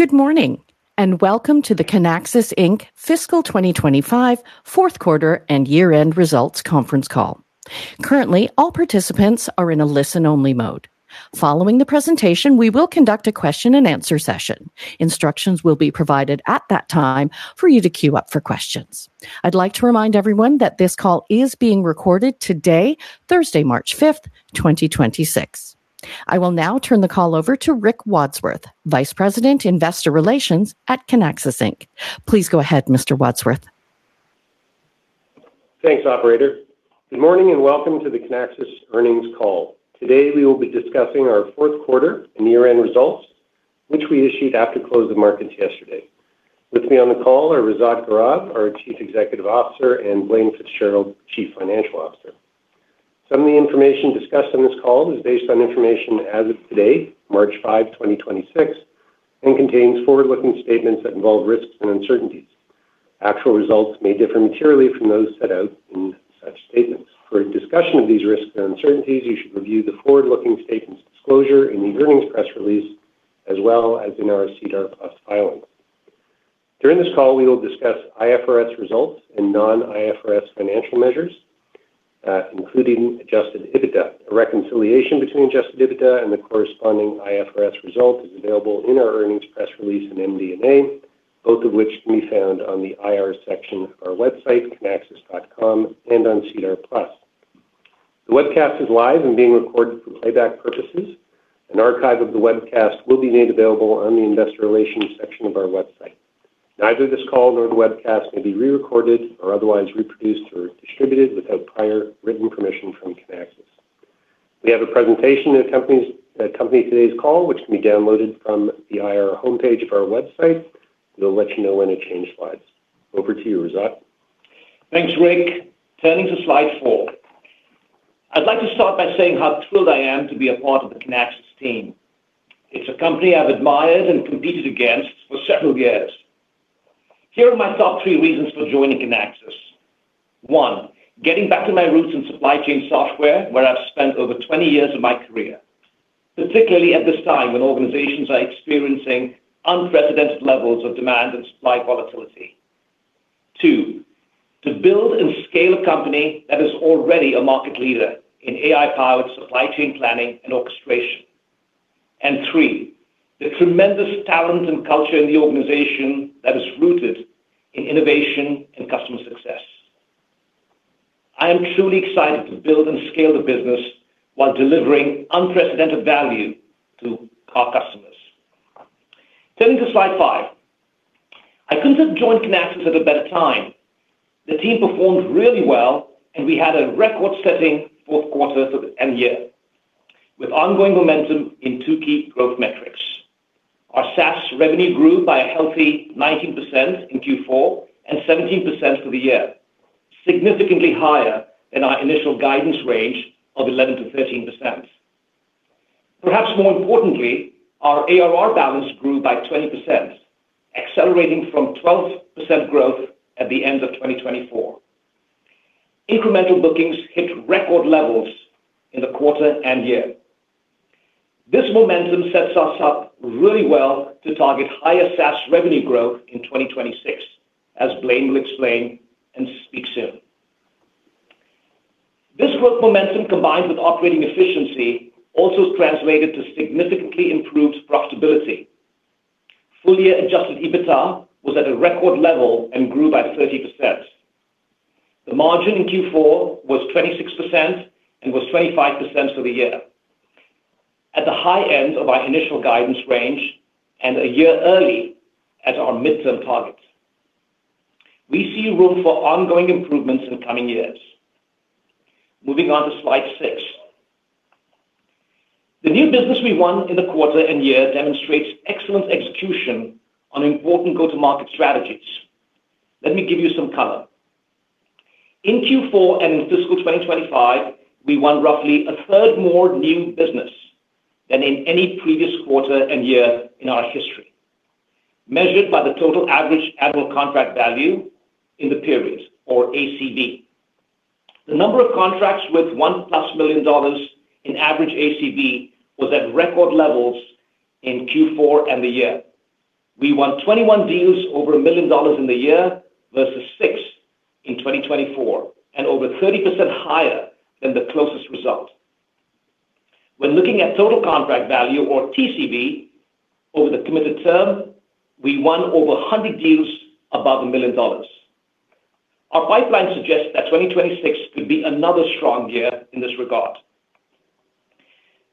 Good morning, and welcome to the Kinaxis Inc. Fiscal 2025 fourth quarter and year-end results conference call. Currently, all participants are in a listen-only mode. Following the presentation, we will conduct a question and answer session. Instructions will be provided at that time for you to queue up for questions. I'd like to remind everyone that this call is being recorded today, Thursday, March 5th, 2026. I will now turn the call over to Rick Wadsworth, Vice President, Investor Relations at Kinaxis Inc. Please go ahead, Mr. Wadsworth. Thanks, operator. Good morning, welcome to the Kinaxis earnings call. Today, we will be discussing our fourth quarter and year-end results, which we issued after close of markets yesterday. With me on the call are Razat Gaurav, our Chief Executive Officer, and Blaine Fitzgerald, Chief Financial Officer. Some of the information discussed on this call is based on information as of today, March 5, 2026, contains forward-looking statements that involve risks and uncertainties. Actual results may differ materially from those set out in such statements. For a discussion of these risks and uncertainties, you should review the forward-looking statements disclosure in the earnings press release as well as in our SEDAR+ filing. During this call, we will discuss IFRS results and non-IFRS financial measures, including adjusted EBITDA. A reconciliation between adjusted EBITDA and the corresponding IFRS result is available in our earnings press release and MD&A, both of which can be found on the IR section of our website, kinaxis.com, and on SEDAR+. The webcast is live and being recorded for playback purposes. An archive of the webcast will be made available on the investor relations section of our website. Neither this call nor the webcast may be re-recorded or otherwise reproduced or distributed without prior written permission from Kinaxis. We have a presentation that accompanies today's call, which can be downloaded from the IR homepage of our website. We'll let you know when to change slides. Over to you, Razat. Thanks, Rick. Turning to slide four. I'd like to start by saying how thrilled I am to be a part of the Kinaxis team. It's a company I've admired and competed against for several years. Here are my top three reasons for joining Kinaxis. One, getting back to my roots in supply chain software, where I've spent over 20 years of my career, particularly at this time when organizations are experiencing unprecedented levels of demand and supply volatility. Two, to build and scale a company that is already a market leader in AI-powered supply chain planning and orchestration. Three, the tremendous talent and culture in the organization that is rooted in innovation and customer success. I am truly excited to build and scale the business while delivering unprecedented value to our customers. Turning to slide five. I couldn't have joined Kinaxis at a better time. The team performed really well. We had a record-setting fourth quarter for the end year, with ongoing momentum in two key growth metrics. Our SaaS revenue grew by a healthy 19% in Q4 and 17% for the year, significantly higher than our initial guidance range of 11%-13%. Perhaps more importantly, our ARR balance grew by 20%, accelerating from 12% growth at the end of 2024. Incremental bookings hit record levels in the quarter and year. This momentum sets us up really well to target higher SaaS revenue growth in 2026, as Blaine will explain and speak soon. This growth momentum, combined with operating efficiency, also translated to significantly improved profitability. Full-year adjusted EBITDA was at a record level and grew by 30%. The margin in Q4 was 26% and was 25% for the year, at the high end of our initial guidance range and a year early at our midterm targets. We see room for ongoing improvements in the coming years. Moving on to slide six. The new business we won in the quarter and year demonstrates excellent execution on important go-to-market strategies. Let me give you some color. In Q4 and in fiscal 2025, we won roughly a third more new business than in any previous quarter and year in our history, measured by the total average annual contract value in the period, or ACV. The number of contracts with $1+ million in average ACV was at record levels in Q4 and the year. We won 21 deals over $1 million in the year versus six in 2024 and over 30% higher than the closest result. When looking at total contract value, or TCV, over the committed term, we won over 100 deals above $1 million. Our pipeline suggests that 2026 could be another strong year in this regard.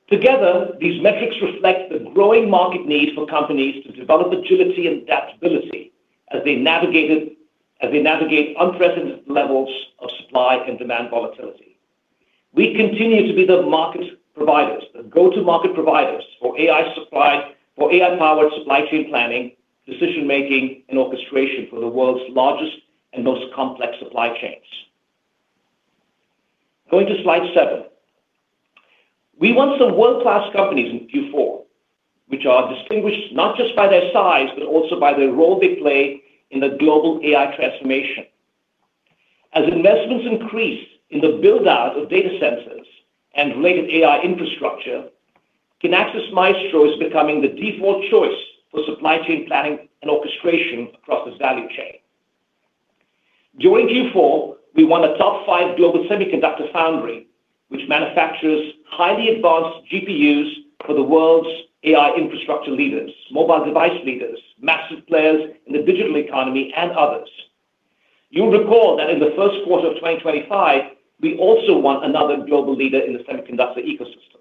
Together, these metrics reflect the growing market need for companies to develop agility and adaptability as they navigate unprecedented levels of supply and demand volatility. We continue to be the market providers, the go-to-market providers for AI-powered supply chain planning, decision-making, and orchestration for the world's largest and most complex supply chains. Going to slide seven. We won some world-class companies in Q4, which are distinguished not just by their size, but also by the role they play in the global AI transformation. As investments increase in the build-out of data centers and related AI infrastructure, Kinaxis Maestro is becoming the default choice for supply chain planning and orchestration across the value chain. During Q4, we won a top five global semiconductor foundry, which manufactures highly advanced GPUs for the world's AI infrastructure leaders, mobile device leaders, massive players in the digital economy, and others. You'll recall that in the 1st quarter of 2025, we also won another global leader in the semiconductor ecosystem.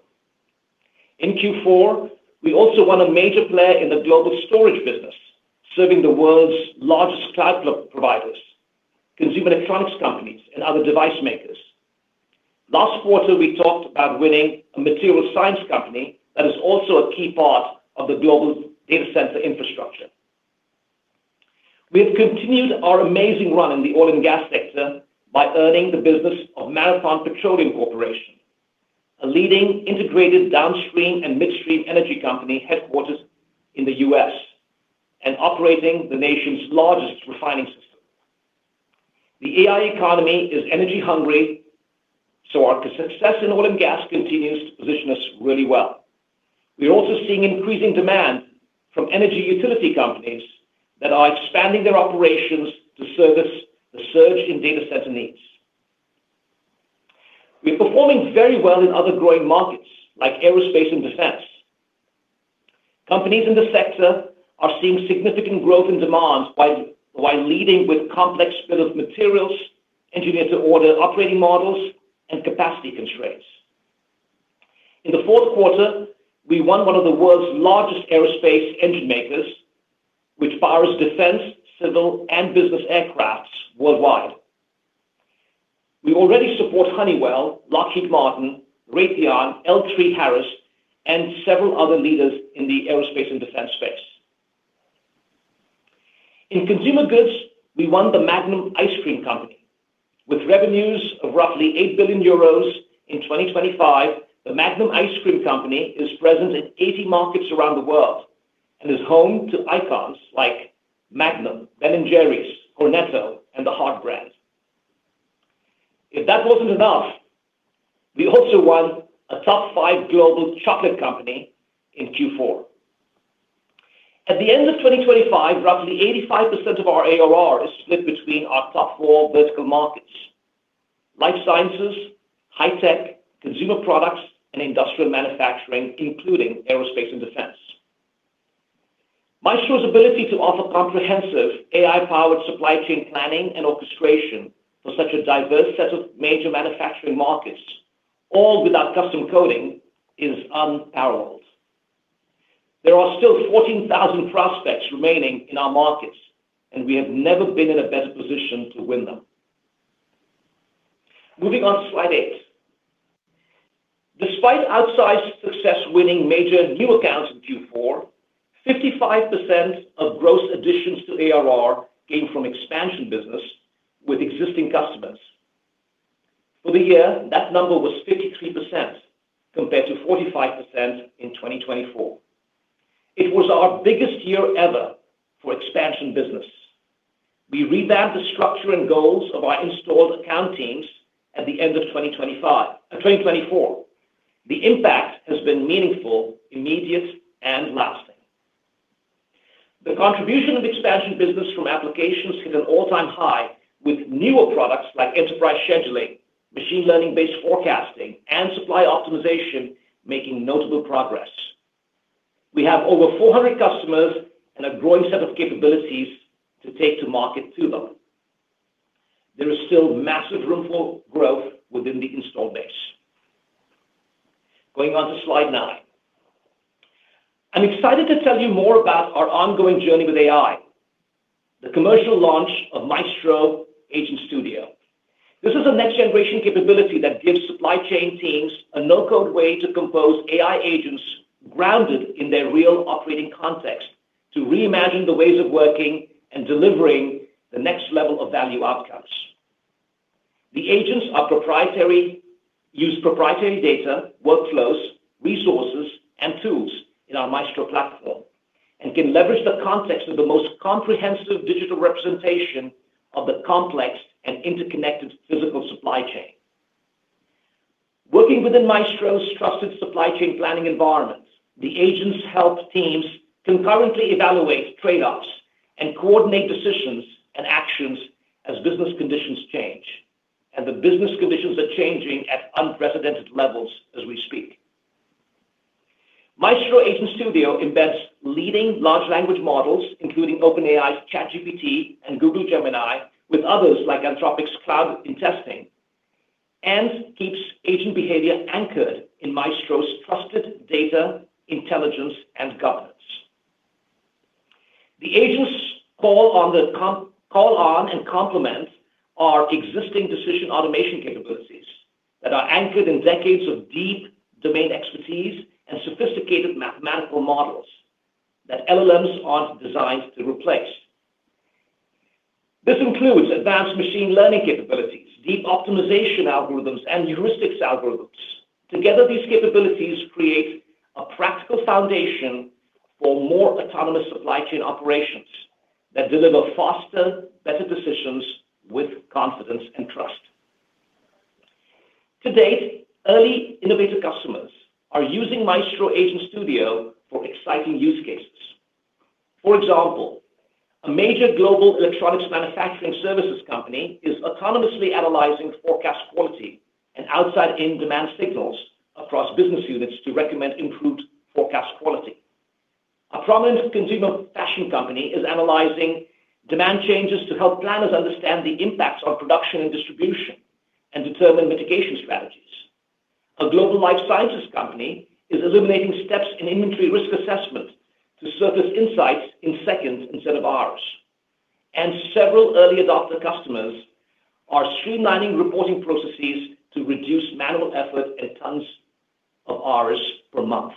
In Q4, we also won a major player in the global storage business, serving the world's largest cloud providers, consumer electronics companies, and other device makers. Last quarter, we talked about winning a material science company that is also a key part of the global data center infrastructure. We've continued our amazing run in the oil and gas sector by earning the business of Marathon Petroleum Corporation, a leading integrated downstream and midstream energy company headquartered in the U.S. and operating the nation's largest refining system. The A.I. economy is energy hungry, our success in oil and gas continues to position us really well. We're also seeing increasing demand from energy utility companies that are expanding their operations to service the surge in data center needs. We're performing very well in other growing markets, like aerospace and defense. Companies in this sector are seeing significant growth in demand by leading with complex bill of materials, engineer-to-order operating models, and capacity constraints. In the fourth quarter, we won one of the world's largest aerospace engine makers, which powers defense, civil, and business aircrafts worldwide. We already support Honeywell, Lockheed Martin, Raytheon, L3Harris, and several other leaders in the aerospace and defense space. In consumer goods, we won The Magnum Ice Cream Company. With revenues of roughly 8 billion euros in 2025, The Magnum Ice Cream Company is present in 80 markets around the world and is home to icons like Magnum, Ben & Jerry's, Cornetto, and the Heartbrand. If that wasn't enough, we also won a top five global chocolate company in Q4. At the end of 2025, roughly 85% of our ARR is split between our top four vertical markets: life sciences, high-tech, consumer products, and industrial manufacturing, including aerospace and defense. Maestro's ability to offer comprehensive AI-powered supply chain planning and orchestration for such a diverse set of major manufacturing markets, all without custom coding, is unparalleled. There are still 14,000 prospects remaining in our markets, we have never been in a better position to win them. Moving on to slide eight. Despite outsized success winning major new accounts in Q4, 55% of gross additions to ARR came from expansion business with existing customers. For the year, that number was 53% compared to 45% in 2024. It was our biggest year ever for expansion business. We revamped the structure and goals of our installed account teams at the end of 2024. The impact has been meaningful, immediate, and lasting. The contribution of expansion business from applications hit an all-time high with newer products like enterprise scheduling, machine learning-based forecasting, and supply optimization making notable progress. We have over 400 customers and a growing set of capabilities to take to market to them. There is still massive room for growth within the installed base. Going on to slide nine. I'm excited to tell you more about our ongoing journey with AI, the commercial launch of Maestro Agent Studio. This is a next-generation capability that gives supply chain teams a no-code way to compose AI agents grounded in their real operating context to reimagine the ways of working and delivering the next level of value outcomes. The agents use proprietary data, workflows, resources, and tools in our Maestro platform and can leverage the context of the most comprehensive digital representation of the complex and interconnected physical supply chain. Working within Maestro's trusted supply chain planning environment, the agents help teams concurrently evaluate trade-offs and coordinate decisions and actions as business conditions change, and the business conditions are changing at unprecedented levels as we speak. Maestro Agent Studio embeds leading large language models, including OpenAI's ChatGPT and Google Gemini, with others like Anthropic's Claude in testing, and keeps agent behavior anchored in Maestro's trusted data, intelligence, and governance. The agents call on and complement our existing decision automation capabilities that are anchored in decades of deep domain expertise and sophisticated mathematical models that LLMs aren't designed to replace. This includes advanced machine learning capabilities, deep optimization algorithms, and heuristics algorithms. Together, these capabilities create a practical foundation for more autonomous supply chain operations that deliver faster, better decisions with confidence and trust. To date, early innovative customers are using Maestro Agent Studio for exciting use cases. For example, a major global electronics manufacturing services company is autonomously analyzing forecast quality and outside-in demand signals across business units to recommend improved forecast quality. A prominent consumer fashion company is analyzing demand changes to help planners understand the impacts on production and distribution, and determine mitigation strategies. A global life sciences company is eliminating steps in inventory risk assessment to surface insights in seconds instead of hours. Several early adopter customers are streamlining reporting processes to reduce manual effort and tons of hours per month.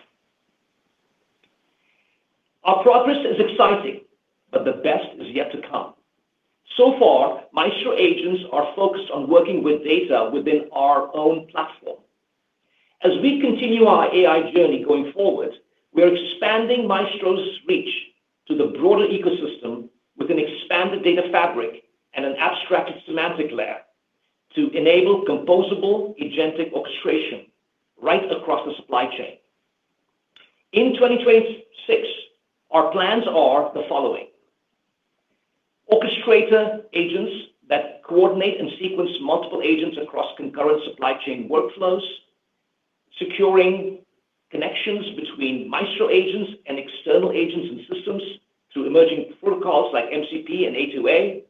Our progress is exciting, but the best is yet to come. So far, Maestro agents are focused on working with data within our own platform. As we continue our AI journey going forward, we are expanding Maestro's reach to the broader ecosystem with an expanded data fabric and an abstracted semantic layer to enable composable agentic orchestration right across the supply chain. In 2026, our plans are the following. Orchestrator agents that coordinate and sequence multiple agents across concurrent supply chain workflows. Securing connections between Maestro agents and external agents and systems through emerging protocols like MCP and A2A.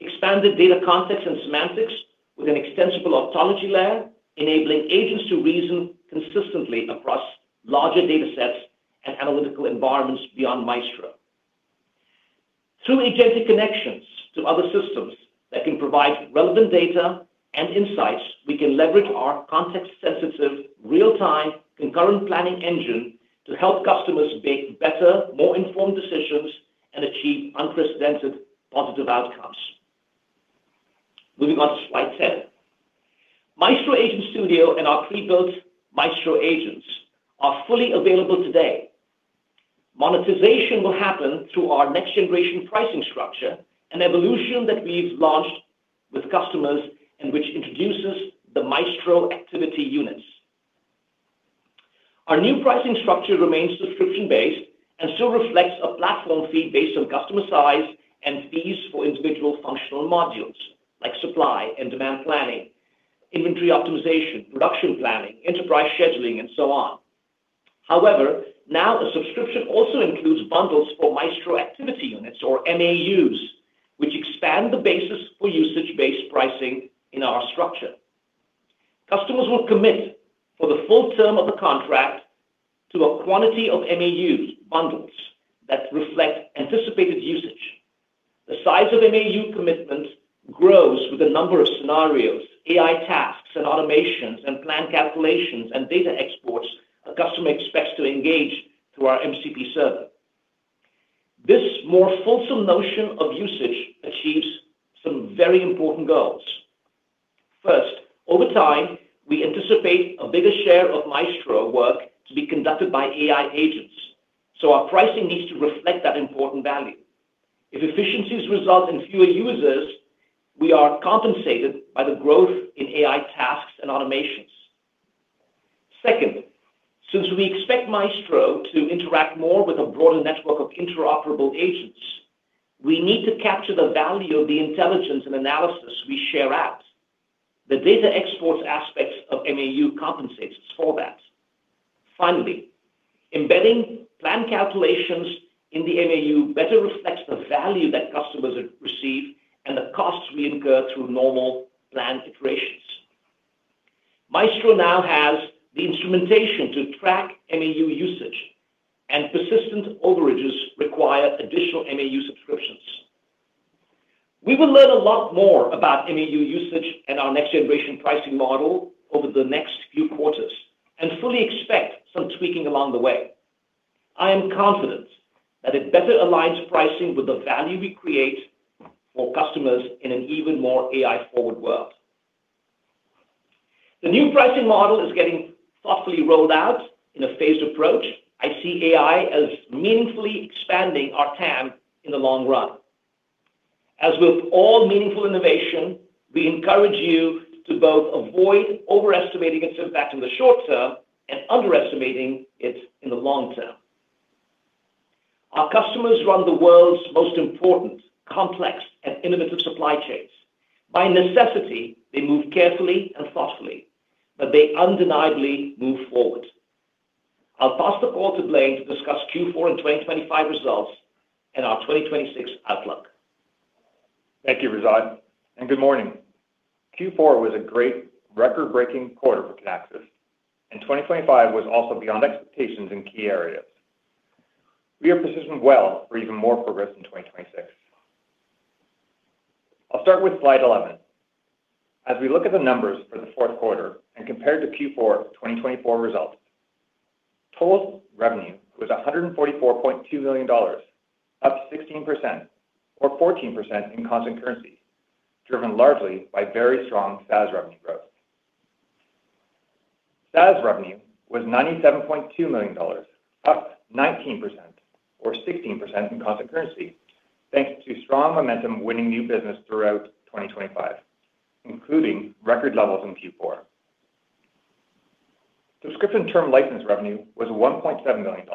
Expanded data context and semantics with an extensible ontology layer, enabling agents to reason consistently across larger data sets and analytical environments beyond Maestro. Through agentic connections to other systems that can provide relevant data and insights, we can leverage our context-sensitive, real-time, concurrent planning engine to help customers make better, more informed decisions and achieve unprecedented positive outcomes. Moving on to slide 10. Maestro Agent Studio and our pre-built Maestro agents are fully available today. Monetization will happen through our Next-Gen Pricing structure, an evolution that we've launched with customers and which introduces the Maestro Activity Units. Our new pricing structure remains subscription-based and still reflects a platform fee based on customer size and fees for individual functional modules like supply and demand planning, inventory optimization, production planning, enterprise scheduling, and so on. However, now the subscription also includes bundles for Maestro Activity Units or MAUs, which expand the basis for usage-based pricing in our structure. Customers will commit for the full term of the contract to a quantity of MAUs bundles that reflect anticipated usage. The size of MAU commitment grows with the number of scenarios, AI tasks, and automations, and plan calculations, and data exports a customer expects to engage through our MCP Server. This more fulsome notion of usage achieves some very important goals. First, over time, we anticipate a bigger share of Maestro work to be conducted by AI agents, so our pricing needs to reflect that important value. Since we expect Maestro to interact more with a broader network of interoperable agents, we need to capture the value of the intelligence and analysis we share out. The data export aspects of MAU compensates for that. Embedding plan calculations in the MAU better reflects the value that customers receive and the costs we incur through normal plan iterations. Maestro now has the instrumentation to track MAU usage, and persistent overages require additional MAU subscriptions. We will learn a lot more about MAU usage and our next generation pricing model over the next few quarters, and fully expect some tweaking along the way. I am confident that it better aligns pricing with the value we create for customers in an even more AI forward world. The new pricing model is getting thoughtfully rolled out in a phased approach. I see AI as meaningfully expanding our TAM in the long run. As with all meaningful innovation, we encourage you to both avoid overestimating its impact in the short term and underestimating it in the long term. Our customers run the world's most important, complex, and innovative supply chains. By necessity, they move carefully and thoughtfully, but they undeniably move forward. I'll pass the call to Blaine to discuss Q4 in 2025 results and our 2026 outlook. Thank you, Razat. Good morning. Q4 was a great record-breaking quarter for Kinaxis. 2025 was also beyond expectations in key areas. We are positioned well for even more progress in 2026. I'll start with slide 11. As we look at the numbers for the fourth quarter and compare to Q4 2024 results...Total revenue was $144.2 million, up 16% or 14% in constant currency, driven largely by very strong SaaS revenue growth. SaaS revenue was $97.2 million, up 19% or 16% in constant currency, thanks to strong momentum winning new business throughout 2025, including record levels in Q4. Subscription term license revenue was $1.7 million,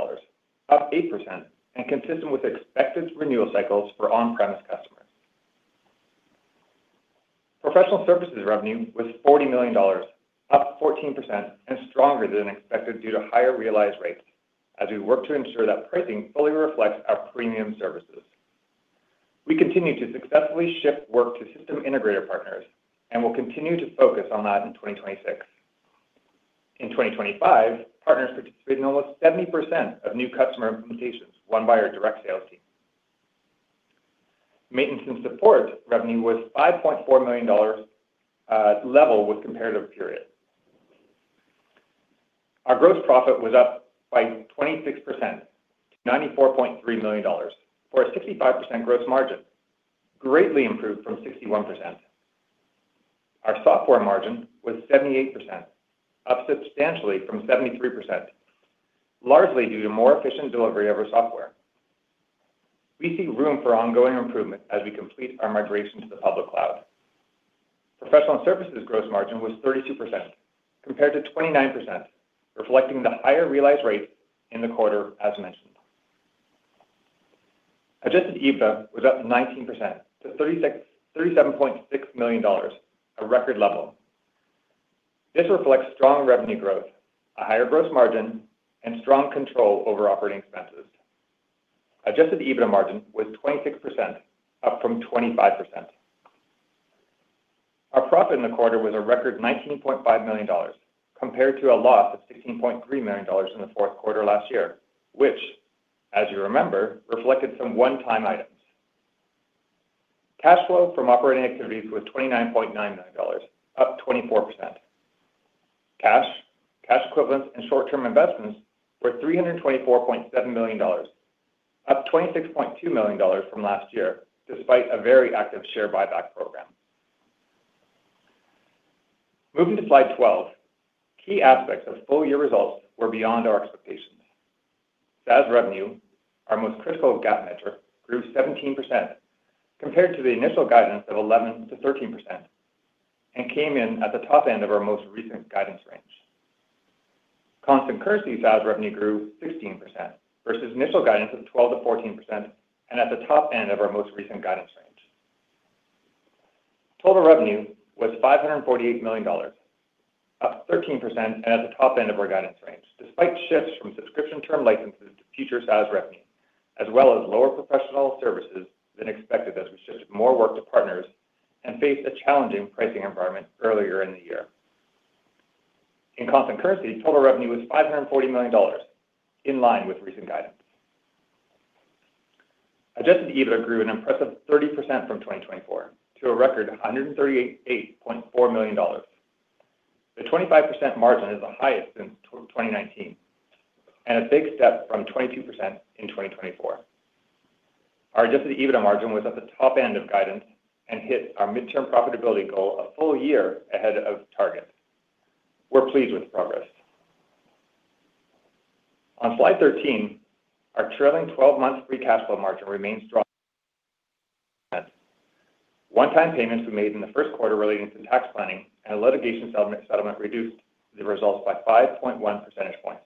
up 8% and consistent with expected renewal cycles for on-premise customers. Professional services revenue was $40 million, up 14% and stronger than expected due to higher realized rates as we work to ensure that pricing fully reflects our premium services. We continue to successfully shift work to system integrator partners, and we'll continue to focus on that in 2026. In 2025, partners participated in almost 70% of new customer implementations won by our direct sales team. Maintenance and support revenue was $5.4 million, level with comparative period. Our gross profit was up by 26% to $94.3 million, for a 65% gross margin, greatly improved from 61%. Our software margin was 78%, up substantially from 73%, largely due to more efficient delivery of our software. We see room for ongoing improvement as we complete our migration to the public cloud. Professional services gross margin was 32% compared to 29%, reflecting the higher realized rates in the quarter, as mentioned. Adjusted EBITDA was up 19% to $37.6 million, a record level. This reflects strong revenue growth, a higher gross margin, and strong control over operating expenses. Adjusted EBITDA margin was 26%, up from 25%. Our profit in the quarter was a record $19.5 million compared to a loss of $16.3 million in the fourth quarter last year, which, as you remember, reflected some one-time items. Cash flow from operating activities was $29.9 million, up 24%. Cash, cash equivalents, and short-term investments were $324.7 million, up $26.2 million from last year, despite a very active share buyback program. Moving to slide 12, key aspects of full-year results were beyond our expectations. SaaS revenue, our most critical GAAP metric, grew 17% compared to the initial guidance of 11%-13% and came in at the top end of our most recent guidance range. Constant currency SaaS revenue grew 16% versus initial guidance of 12%-14% and at the top end of our most recent guidance range. Total revenue was $548 million, up 13% and at the top end of our guidance range, despite shifts from subscription term licenses to future SaaS revenue, as well as lower professional services than expected as we shift more work to partners and face a challenging pricing environment earlier in the year. In constant currency, total revenue was $540 million, in line with recent guidance. Adjusted EBITDA grew an impressive 30% from 2024 to a record $138.4 million. The 25% margin is the highest since 2019 and a big step from 22% in 2024. Our adjusted EBITDA margin was at the top end of guidance and hit our midterm profitability goal a full year ahead of target. We're pleased with progress. On slide 13, our trailing twelve-month free cash flow margin remains strong at one-time payments we made in the 1st quarter relating to tax planning and a litigation settlement reduced the results by 5.1 percentage points.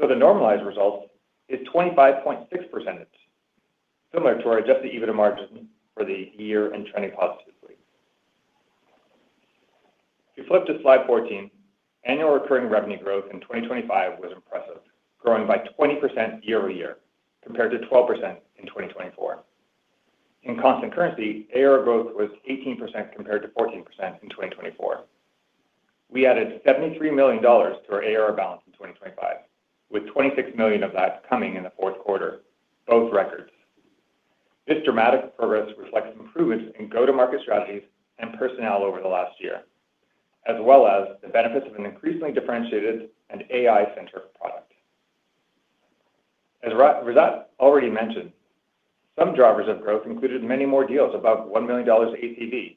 The normalized result is 25.6%, similar to our adjusted EBITDA margin for the year and trending positively. If you flip to slide 14, Annual Recurring Revenue growth in 2025 was impressive, growing by 20% year-over-year compared to 12% in 2024. In constant currency, ARR growth was 18% compared to 14% in 2024. We added $73 million to our ARR balance in 2025, with $26 million of that coming in the fourth quarter, both records. This dramatic progress reflects improvements in go-to-market strategies and personnel over the last year, as well as the benefits of an increasingly differentiated and AI-centered product. As Razat already mentioned, some drivers of growth included many more deals above $1 million APB,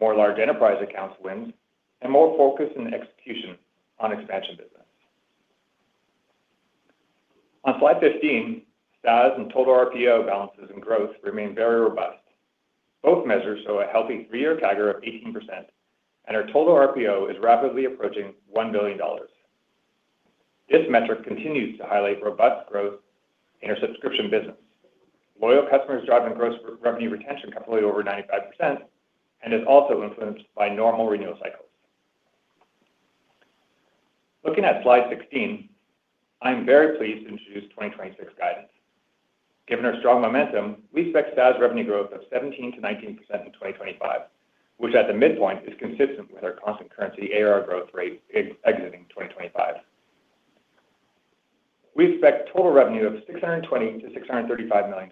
more large enterprise accounts wins, and more focus and execution on expansion business. On slide 15, SaaS and total RPO balances and growth remain very robust. Both measures show a healthy three-year CAGR of 18%, and our total RPO is rapidly approaching $1 billion. This metric continues to highlight robust growth in our subscription business. Loyal customers driving gross revenue retention comfortably over 95% and is also influenced by normal renewal cycles. Looking at slide 16, I am very pleased to introduce 2026 guidance. Given our strong momentum, we expect SaaS revenue growth of 17%-19% in 2025, which at the midpoint is consistent with our constant currency ARR growth rate exiting 2025. We expect total revenue of $620 million-$635 million.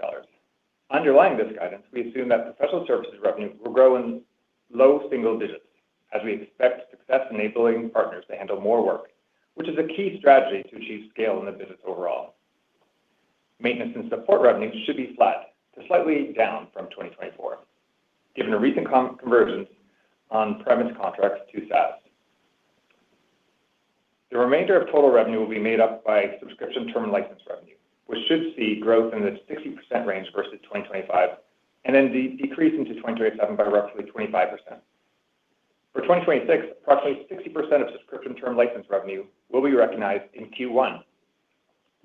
Underlying this guidance, we assume that professional services revenue will grow in low single digits as we expect success enabling partners to handle more work, which is a key strategy to achieve scale in the business overall. Maintenance and support revenues should be flat to slightly down from 2024, given the recent conversion on-premise contracts to SaaS. The remainder of total revenue will be made up by subscription term and license revenue, which should see growth in the 60% range versus 2025, and then decrease into 2027 by roughly 25%. For 2026, roughly 60% of subscription term license revenue will be recognized in Q1,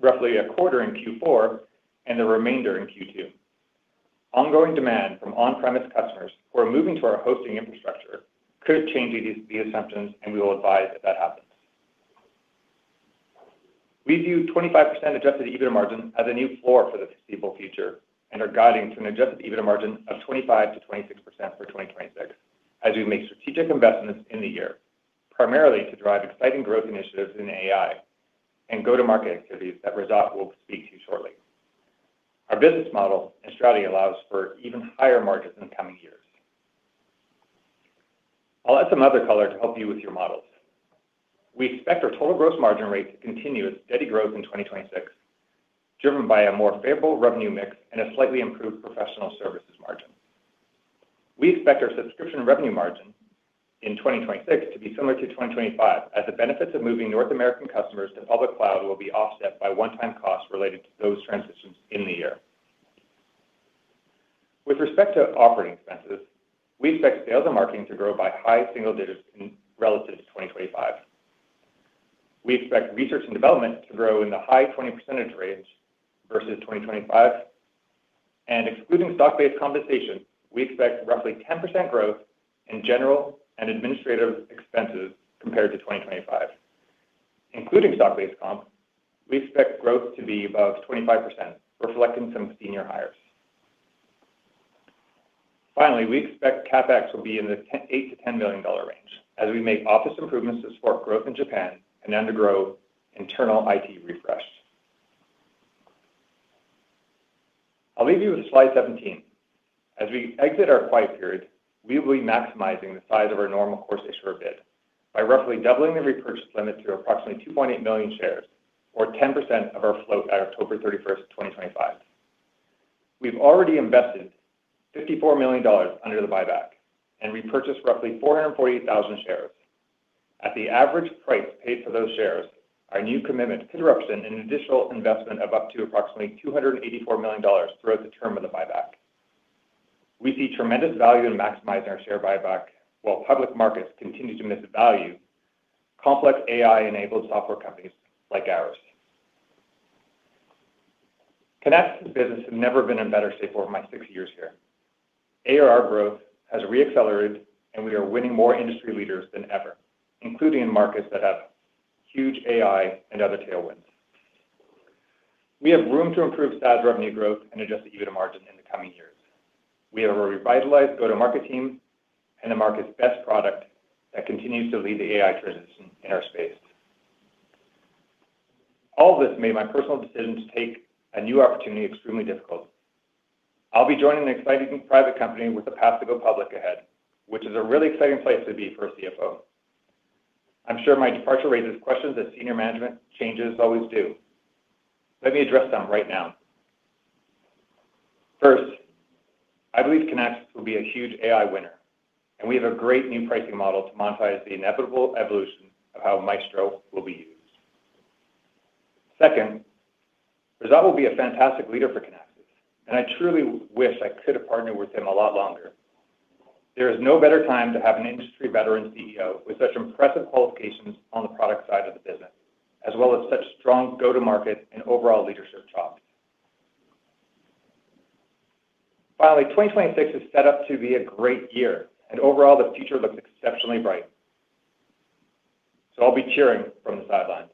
roughly a quarter in Q4, and the remainder in Q2. Ongoing demand from on-premise customers who are moving to our hosting infrastructure could change these assumptions, and we will advise if that happens. We view 25% adjusted EBITDA margin as a new floor for the foreseeable future and are guiding to an adjusted EBITDA margin of 25%-26% for 2026 as we make strategic investments in the year, primarily to drive exciting growth initiatives in AI and go-to-market activities that Razat will speak to shortly. Our business model and strategy allows for even higher margins in the coming years. I'll add some other color to help you with your models. We expect our total gross margin rate to continue its steady growth in 2026, driven by a more favorable revenue mix and a slightly improved professional services margin. We expect our subscription revenue margin in 2026 to be similar to 2025, as the benefits of moving North American customers to public cloud will be offset by one-time costs related to those transitions in the year. With respect to operating expenses, we expect sales and marketing to grow by high single digits relative to 2025. We expect research and development to grow in the high 20% range versus 2025. Excluding stock-based compensation, we expect roughly 10% growth in general and administrative expenses compared to 2025. Including stock-based comp, we expect growth to be above 25%, reflecting some senior hires. Finally, we expect CapEx will be in the $8 million-$10 million range as we make office improvements to support growth in Japan and undergo internal IT refresh. I'll leave you with slide 17. As we exit our quiet period, we will be maximizing the size of our normal course issuer bid by roughly doubling the repurchase limit to approximately 2.8 million shares or 10% of our float by October 31st, 2025. We've already invested $54 million under the buyback and repurchased roughly 448,000 shares. At the average price paid for those shares, our new commitment could represent an additional investment of up to approximately $284 million throughout the term of the buyback. We see tremendous value in maximizing our share buyback while public markets continue to miss the value, complex AI-enabled software companies like ours. Kinaxis business have never been in better shape over my six years here. ARR growth has re-accelerated, we are winning more industry leaders than ever, including in markets that have huge AI and other tailwinds. We have room to improve SaaS revenue growth and adjusted EBITDA margin in the coming years. We have a revitalized go-to-market team and the market's best product that continues to lead the AI transition in our space. All this made my personal decision to take a new opportunity extremely difficult. I'll be joining an exciting private company with a path to go public ahead, which is a really exciting place to be for a CFO. I'm sure my departure raises questions, as senior management changes always do. Let me address them right now. First, I believe Kinaxis will be a huge AI winner, and we have a great new pricing model to monetize the inevitable evolution of how Maestro will be used. Second, Razat will be a fantastic leader for Kinaxis, and I truly wish I could have partnered with him a lot longer. There is no better time to have an industry veteran CEO with such impressive qualifications on the product side of the business, as well as such strong go-to-market and overall leadership chops. 2026 is set up to be a great year and overall the future looks exceptionally bright. I'll be cheering from the sidelines.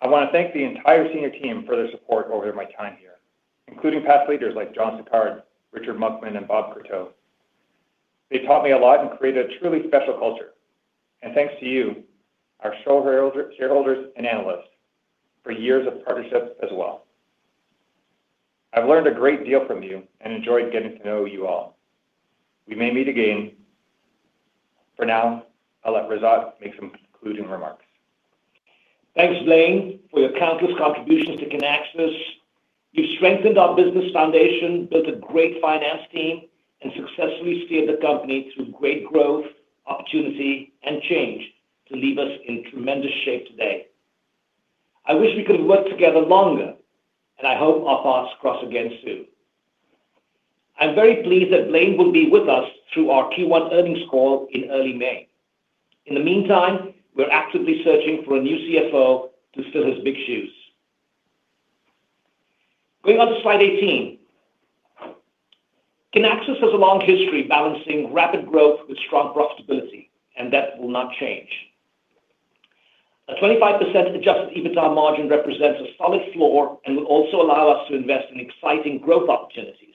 I want to thank the entire senior team for their support over my time here, including past leaders like John Sicard, Richard Monkman, and Robert Courteau. They taught me a lot and created a truly special culture. Thanks to you, our shareholders and analysts, for years of partnership as well. I've learned a great deal from you and enjoyed getting to know you all. We may meet again. For now, I'll let Razat make some concluding remarks. Thanks, Blaine, for your countless contributions to Kinaxis. You've strengthened our business foundation, built a great finance team, and successfully steered the company through great growth, opportunity, and change to leave us in tremendous shape today. I wish we could have worked together longer. I hope our paths cross again soon. I'm very pleased that Blaine will be with us through our Q1 earnings call in early May. In the meantime, we're actively searching for a new CFO to fill his big shoes. Going on to slide 18. Kinaxis has a long history balancing rapid growth with strong profitability. That will not change. A 25% adjusted EBITDA margin represents a solid floor and will also allow us to invest in exciting growth opportunities.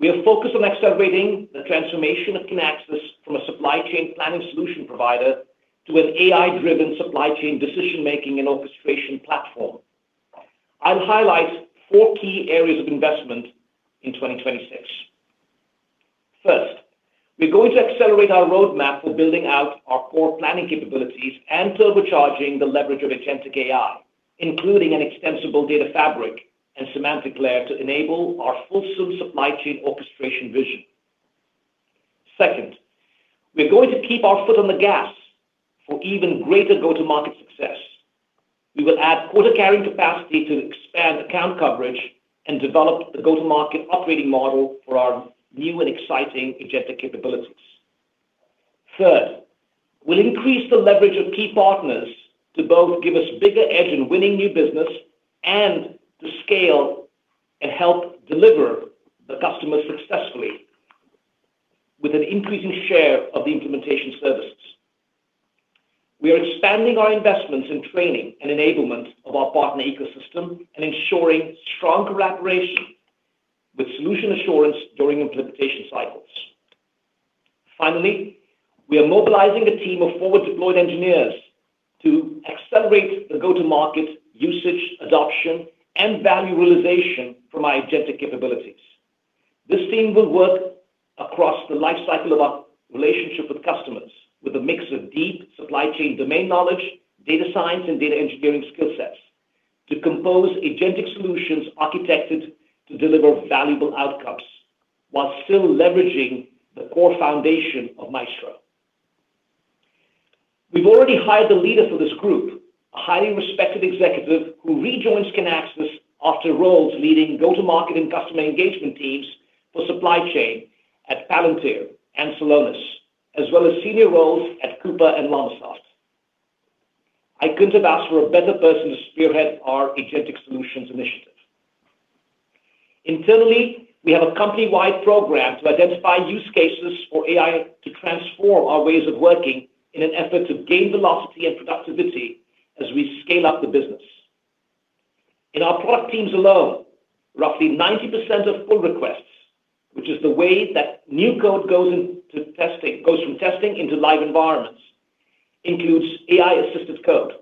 We are focused on accelerating the transformation of Kinaxis from a supply chain planning solution provider to an AI-driven supply chain decision-making and orchestration platform. I'll highlight four key areas of investment in 2026. First, we're going to accelerate our roadmap for building out our core planning capabilities and turbocharging the leverage of agentic AI, including an extensible data fabric and semantic layer to enable our fulsome supply chain orchestration vision. Second, we're going to keep our foot on the gas for even greater go-to-market success. We will add quota-carrying capacity to expand account coverage and develop the go-to-market operating model for our new and exciting agentic capabilities. Third, we'll increase the leverage of key partners to both give us bigger edge in winning new business and to scale and help deliver the customers successfully with an increasing share of the implementation services. We are expanding our investments in training and enablement of our partner ecosystem and ensuring strong collaboration with solution assurance during implementation cycles. Finally, we are mobilizing a team of forward-deployed engineers to accelerate the go-to-market usage, adoption, and value realization from our agentic capabilities. This team will work across the life cycle of our relationship with customers with a mix of deep supply chain domain knowledge, data science, and data engineering skill sets to compose agentic solutions architected to deliver valuable outcomes while still leveraging the core foundation of Maestro. We've already hired the leader for this group, a highly respected executive who rejoins Kinaxis after roles leading go-to-market and customer engagement teams for supply chain at Palantir and Celonis, as well as senior roles at Coupa and Manugistics. I couldn't have asked for a better person to spearhead our agentic solutions initiative. Internally, we have a company-wide program to identify use cases for AI to transform our ways of working in an effort to gain velocity and productivity as we scale up the business. In our product teams alone, roughly 90% of pull requests, which is the way that new code goes from testing into live environments, includes AI-assisted code,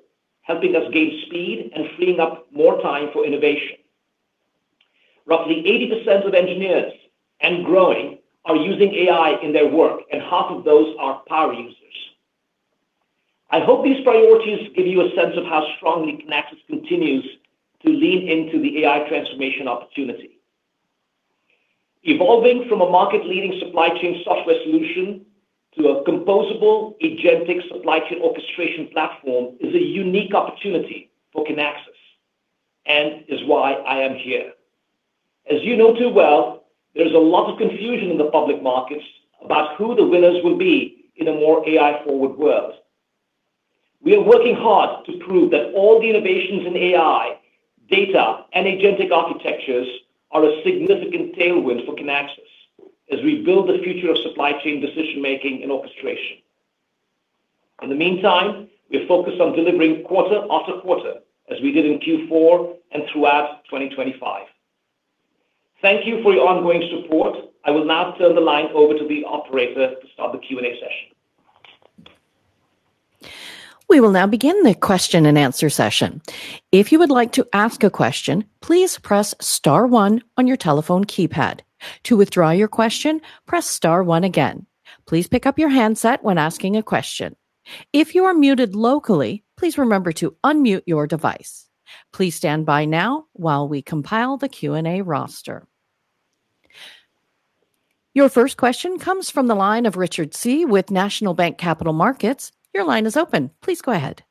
helping us gain speed and freeing up more time for innovation. Roughly 80% of engineers and growing are using AI in their work, and half of those are power users. I hope these priorities give you a sense of how strongly Kinaxis continues to lean into the AI transformation opportunity. Evolving from a market-leading supply chain software solution to a composable agentic supply chain orchestration platform is a unique opportunity for Kinaxis and is why I am here. As you know too well, there's a lot of confusion in the public markets about who the winners will be in a more AI-forward world. We are working hard to prove that all the innovations in AI, data, and agentic architectures are a significant tailwind for Kinaxis as we build the future of supply chain decision-making and orchestration. In the meantime, we're focused on delivering quarter after quarter, as we did in Q4 and throughout 2025. Thank you for your ongoing support. I will now turn the line over to the operator to start the Q&A session. We will now begin the question-and-answer session. If you would like to ask a question, please press star one on your telephone keypad. To withdraw your question, press star one again. Please pick up your handset when asking a question. If you are muted locally, please remember to unmute your device. Please stand by now while we compile the Q&A roster. Your first question comes from the line of Richard Tse with National Bank Capital Markets. Your line is open. Please go ahead.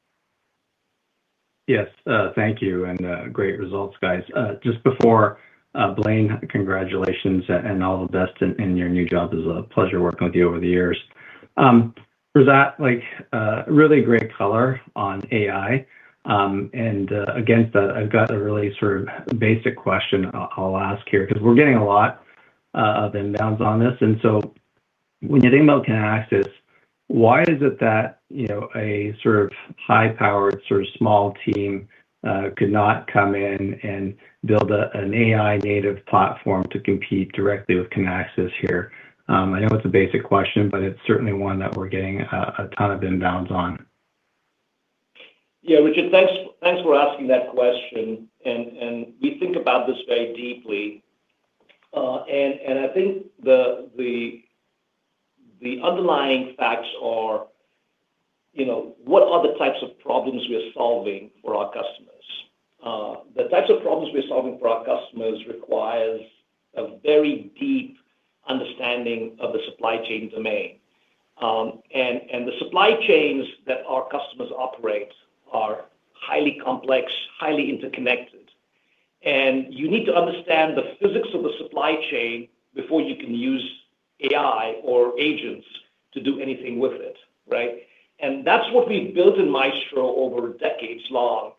Yes. Thank you, and great results, guys. Just before Blaine, congratulations and all the best in your new job. It was a pleasure working with you over the years. For that, like, really great color on AI, and again, I've got a really sort of basic question I'll ask here, 'cause we're getting a lot of inbounds on this. When you email Kinaxis, why is it that, you know, a sort of high-powered sort of small team could not come in and build an AI native platform to compete directly with Kinaxis here? I know it's a basic question, but it's certainly one that we're getting a ton of inbounds on. Yeah. Richard, thanks for asking that question. We think about this very deeply. I think the underlying facts are, you know, what are the types of problems we're solving for our customers? The types of problems we're solving for our customers requires a very deep understanding of the supply chain domain. The supply chains that our customers operate are highly complex, highly interconnected. You need to understand the physics of the supply chain before you can use AI or agents to do anything with it, right? That's what we built in Maestro over decades long.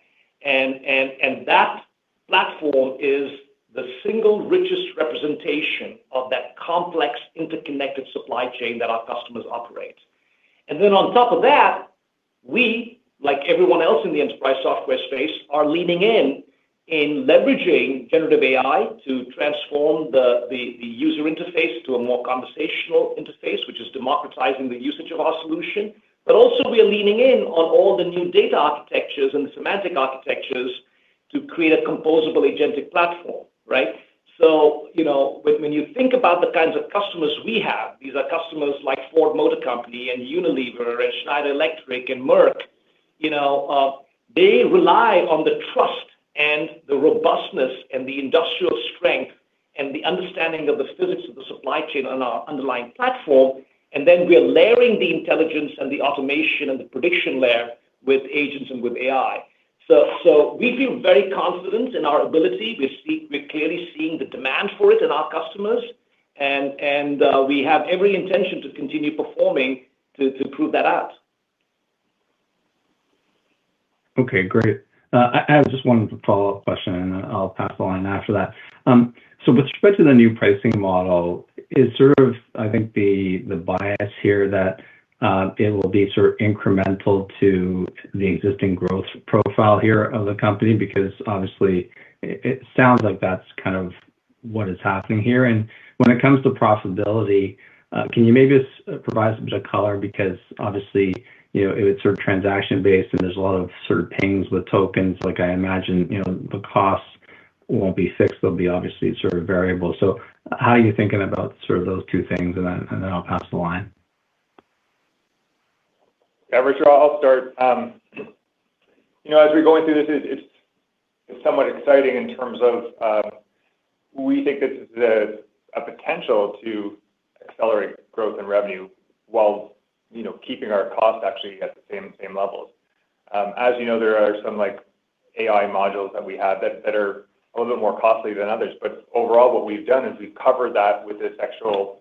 That platform is the single richest representation of that complex, interconnected supply chain that our customers operate. Then on top of that, we, like everyone else in the enterprise software space, are leaning in leveraging generative AI to transform the user interface to a more conversational interface, which is democratizing the usage of our solution. Also we are leaning in on all the new data architectures and the semantic architectures to create a composable agentic platform, right? You know, when you think about the kinds of customers we have, these are customers like Ford Motor Company and Unilever and Schneider Electric and Merck. You know, they rely on the trust and the robustness and the industrial strength and the understanding of the physics of the supply chain on our underlying platform, and then we are layering the intelligence and the automation and the prediction layer with agents and with AI. We feel very confident in our ability. We're clearly seeing the demand for it in our customers and we have every intention to continue performing to prove that out. Okay, great. I just wanted a follow-up question. I'll pass the line after that. With respect to the new pricing model, is sort of, I think, the bias here that it will be sort of incremental to the existing growth profile here of the company because obviously it sounds like that's kind of what is happening here. When it comes to profitability, can you maybe just provide some color? Because obviously, you know, it's sort of transaction-based, and there's a lot of sort of pings with tokens. Like, I imagine, you know, the costs won't be fixed. They'll be obviously sort of variable. How are you thinking about sort of those two things, and then I'll pass the line. Yeah. Rich, I'll start. You know, as we're going through this, it's somewhat exciting in terms of we think this is a potential to accelerate growth and revenue while, you know, keeping our costs actually at the same levels. As you know, there are some, like, AI modules that we have that are a little bit more costly than others. Overall, what we've done is we've covered that with this actual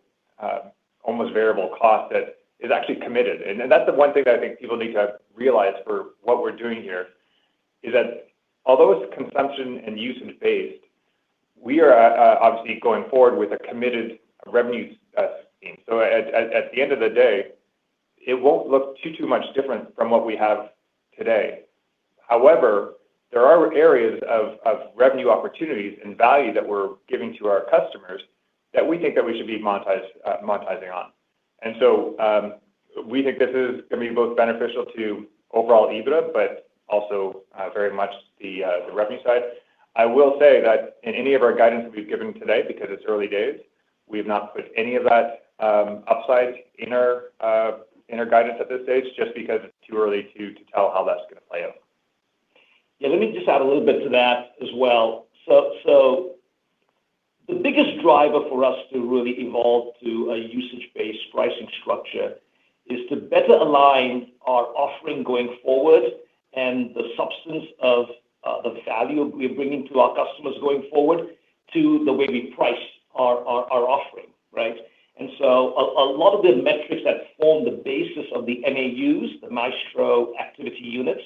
almost variable cost that is actually committed. That's the one thing that I think people need to realize for what we're doing here, is that although it's consumption and usage-based, we are obviously going forward with a committed revenue scheme. At the end of the day, it won't look too much different from what we have today. However, there are areas of revenue opportunities and value that we're giving to our customers that we think that we should be monetizing on. We think this is gonna be both beneficial to overall EBITDA, but also very much the revenue side. I will say that in any of our guidance that we've given today, because it's early days, we've not put any of that upside in our guidance at this stage just because it's too early to tell how that's gonna play out. Let me just add a little bit to that as well. The biggest driver for us to really evolve to a usage-based pricing structure is to better align our offering going forward and the substance of the value we're bringing to our customers going forward to the way we price our offering, right? A lot of the metrics that form the basis of the MAUs, the Maestro Activity Units,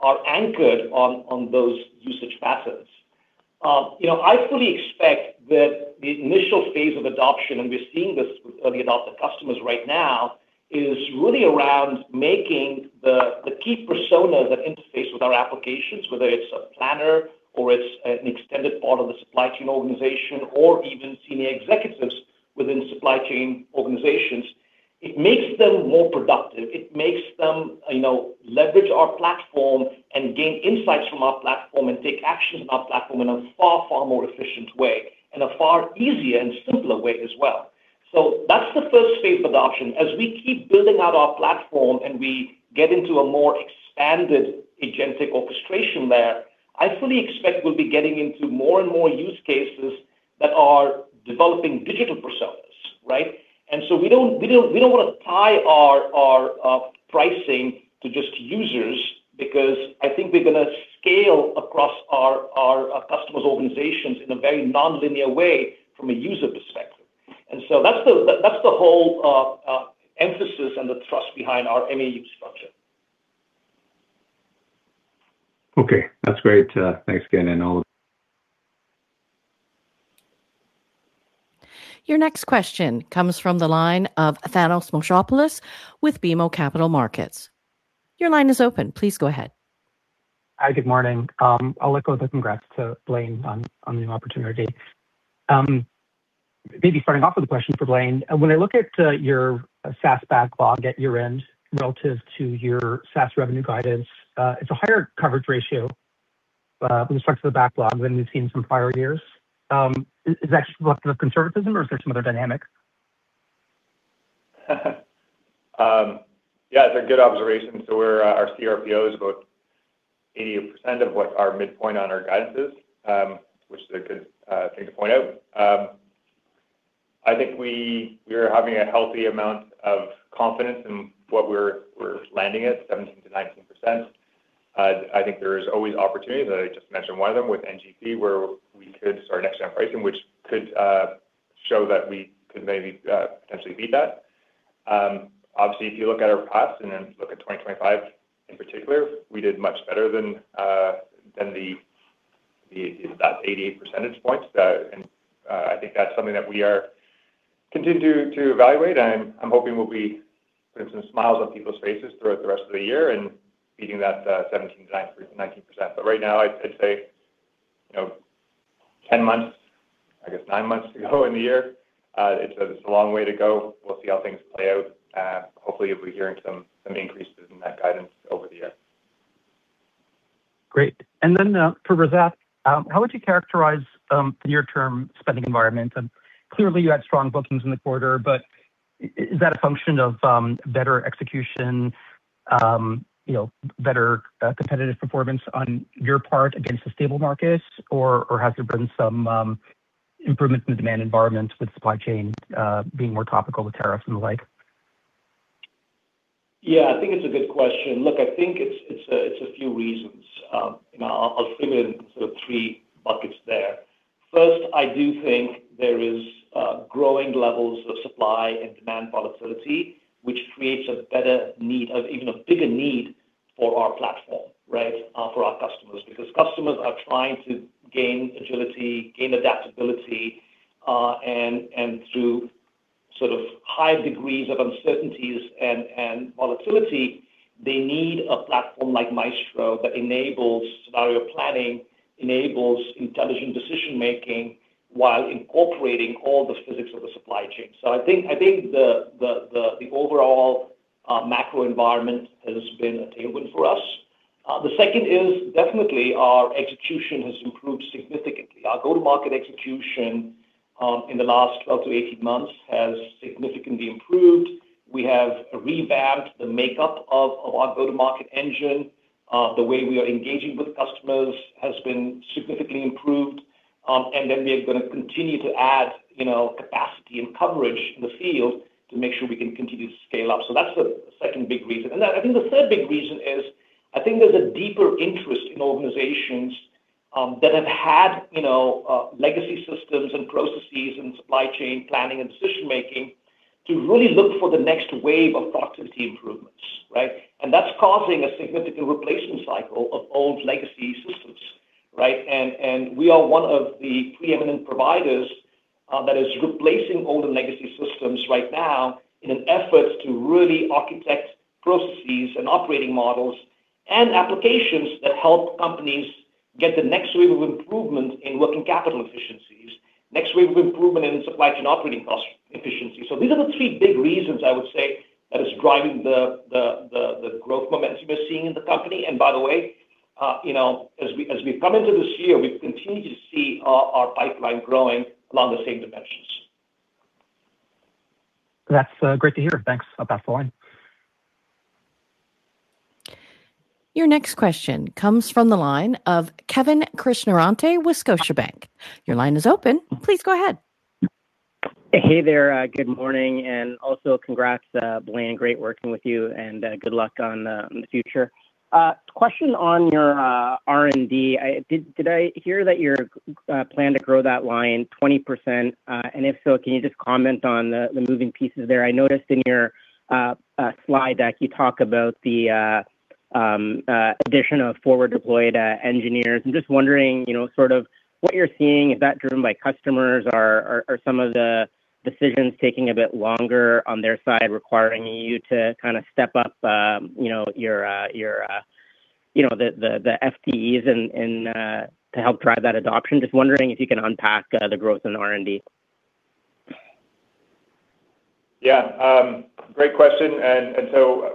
are anchored on those usage facets. You know, I fully expect that the initial phase of adoption, and we're seeing this with early adopter customers right now, is really around making the key personas that interface with our applications, whether it's a planner or it's an extended part of the supply chain organization or even senior executives within supply chain organizations. It makes them more productive. It makes them, you know, leverage our platform and gain insights from our platform and take action in our platform in a far, far more efficient way and a far easier and simpler way as well. That's the first phase of adoption. As we keep building out our platform, and we get into a more expanded agentic orchestration layer, I fully expect we'll be getting into more and more use cases that are developing digital personas, right? We don't wanna tie our pricing to just users because I think we're gonna scale across our customers' organizations in a very nonlinear way from a user perspective. That's the whole emphasis and the trust behind our MAU structure. Okay, that's great. Thanks again and Your next question comes from the line of Thanos Moschopoulos with BMO Capital Markets. Your line is open. Please go ahead. Hi, good morning. I'll echo the congrats to Blaine on the opportunity. Maybe starting off with a question for Blaine. When I look at your SaaS backlog at year-end relative to your SaaS revenue guidance, it's a higher coverage ratio from the structure of the backlog than we've seen some prior years. Is that just conservatism or is there some other dynamic? It's a good observation. We're our CRPO is about 80% of what our midpoint on our guidance is, which is a good thing to point out. I think we're having a healthy amount of confidence in what we're landing at, 17%-19%. I think there is always opportunities. I just mentioned one of them with NGP, or Next Gen Pricing, which could show that we could maybe potentially beat that. Obviously, if you look at our past and then look at 2025 in particular, we did much better than 88 percentage points that, and I think that's something that we are continuing to evaluate. I'm hoping we'll be putting some smiles on people's faces throughout the rest of the year and beating that 17%-19%. Right now, I'd say, you know, 10 months, I guess 9 months ago in the year, it's a long way to go. We'll see how things play out. Hopefully, you'll be hearing some increases in that guidance over the year. Great. For Razat, how would you characterize the near term spending environment? Clearly you had strong bookings in the quarter, but is that a function of better execution, you know, better competitive performance on your part against the stable markets? Has there been some improvements in the demand environment with supply chain being more topical with tariffs and the like? Yeah, I think it's a good question. Look, I think it's a few reasons. You know, I'll give you sort of three buckets there. First, I do think there is growing levels of supply and demand volatility, which creates a better need, even a bigger need for our platform, right? For our customers. Customers are trying to gain agility, gain adaptability, and through sort of high degrees of uncertainties and volatility, they need a platform like Maestro that enables scenario planning, enables intelligent decision-making while incorporating all the physics of the supply chain. I think the overall macro environment has been a tailwind for us. The second is definitely our execution has improved significantly. Our go-to-market execution in the last 12-18 months has significantly improved. We have revamped the makeup of our go-to-market engine. The way we are engaging with customers has been significantly improved. We're gonna continue to add, you know, capacity and coverage in the field to make sure we can continue to scale up. That's the second big reason. I think the third big reason is, I think there's a deeper interest in organizations that have had, you know, legacy systems and processes in supply chain planning and decision making to really look for the next wave of productivity improvements, right? That's causing a significant replacement cycle of old legacy systems, right? We are one of the preeminent providers that is replacing older legacy systems right now in an effort to really architect processes and operating models and applications that help companies get the next wave of improvement in working capital efficiencies, next wave of improvement in supply chain operating cost efficiency. These are the three big reasons I would say that is driving the growth momentum we're seeing in the company. By the way, you know, as we, as we come into this year, we continue to see our pipeline growing along the same dimensions. That's great to hear. Thanks. Bye for now. Your next question comes from the line of Kevin Krishnaratne with Scotiabank. Your line is open. Please go ahead. Hey there. Good morning, and also congrats, Blaine. Great working with you, and good luck on the future. Question on your R&D. Did I hear that your plan to grow that line 20%? If so, can you just comment on the moving pieces there? I noticed in your slide deck, you talk about the addition of forward deployed engineers. I'm just wondering, you know, sort of what you're seeing. Is that driven by customers or some of the decisions taking a bit longer on their side, requiring you to kinda step up, you know, your, you know, the FTEs and to help drive that adoption? Just wondering if you can unpack the growth in R&D. Great question.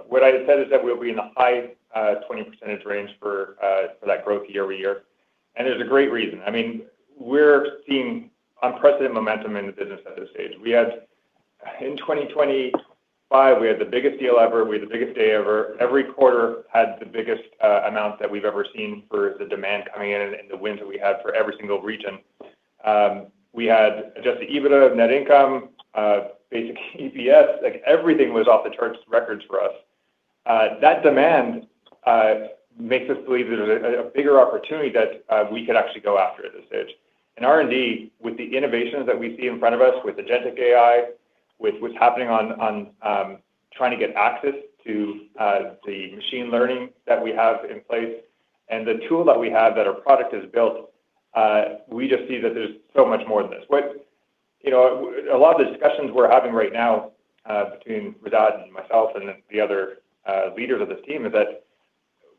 What I said is that we'll be in the high 20% range for that growth year-over-year. There's a great reason. I mean, we're seeing unprecedented momentum in the business at this stage. In 2025, we had the biggest deal ever. We had the biggest day ever. Every quarter had the biggest amounts that we've ever seen for the demand coming in and the wins that we had for every single region. We had adjusted EBITDA, net income, basic EPS, like everything was off the charts records for us. That demand makes us believe there's a bigger opportunity that we could actually go after at this stage. In R&D, with the innovations that we see in front of us, with agentic AI, with what's happening on trying to get access to the machine learning that we have in place, and the tool that we have that our product has built, we just see that there's so much more than this. You know, a lot of the discussions we're having right now, between Razat and myself and the other leaders of this team is that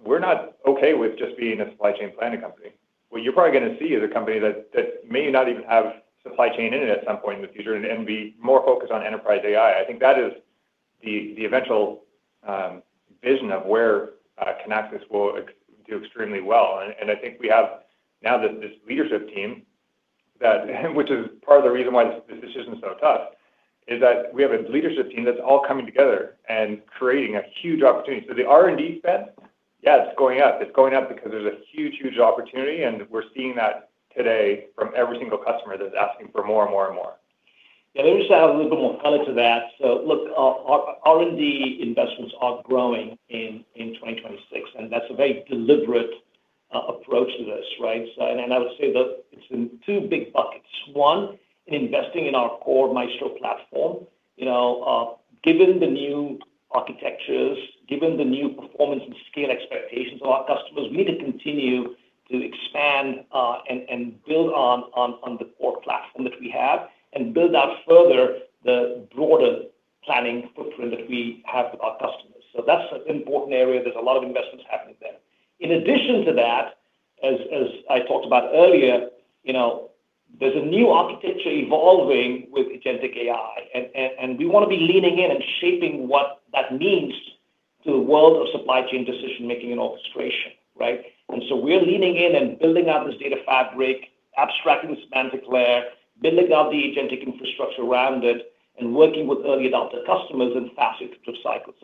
we're not okay with just being a supply chain planning company. What you're probably gonna see is a company that may not even have supply chain in it at some point in the future and be more focused on enterprise AI. I think that is the eventual vision of where Kinaxis will do extremely well. I think we have now this leadership team that, which is part of the reason why this business is so tough, is that we have a leadership team that's all coming together and creating a huge opportunity. The R&D spend, yeah, it's going up. It's going up because there's a huge opportunity, and we're seeing that today from every single customer that's asking for more and more and more. Yeah, let me just add a little bit more color to that. Look, our R&D investments are growing in 2026, and that's a very deliberate approach to this, right? I would say that it's in two big buckets. One, investing in our core Maestro platform. You know, given the new architectures, given the new performance and scale expectations of our customers, we need to continue to expand and build on the core platform that we have and build out further the broader planning footprint that we have with our customers. That's an important area. There's a lot of investments happening there. In addition to that, as I talked about earlier, you know, there's a new architecture evolving with agentic AI, and we wanna be leaning in and shaping what that means to the world of supply chain decision-making and orchestration, right? We're leaning in and building out this data fabric, abstracting the semantic layer, building out the agentic infrastructure around it, and working with early adopter customers in faster feature cycles.